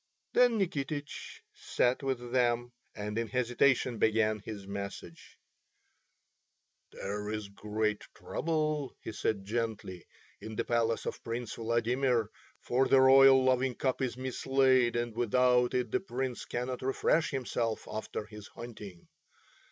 Then Nikitich sat with them, and in hesitation began his message. "There is great trouble," he said gently, "in the palace of Prince Vladimir, for the royal loving cup is mislaid and without it the Prince cannot refresh himself after his hunting.